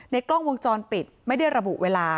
กล้องวงจรปิดไม่ได้ระบุเวลา